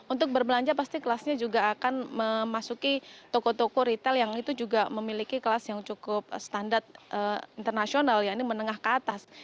untuk berbelanja pasti kelasnya juga akan memasuki toko toko retail yang itu juga memiliki kelas yang cukup standar internasional ya ini menengah ke atas